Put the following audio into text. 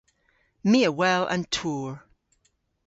My a wel an tour.